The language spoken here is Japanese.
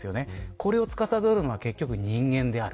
これをつかさどるのは結局人間である。